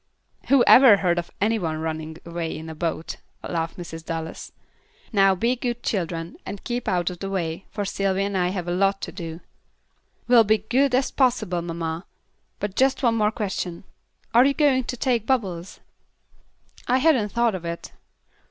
"Who ever heard of any one's running away in a boat?" laughed Mrs. Dallas. "Now be good children, and keep out of the way, for Sylvy and I have a lot to do." "We'll be good as possible, mamma, but just one more question: are you going to take Bubbles?" "I hadn't thought of it."